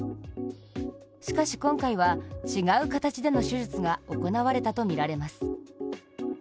しかし今回は、違う形での手術が行われたとみられます。